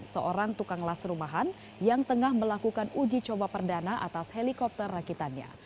seorang tukang las rumahan yang tengah melakukan uji coba perdana atas helikopter rakitannya